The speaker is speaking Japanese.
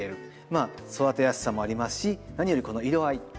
まあ育てやすさもありますし何よりこの色合い。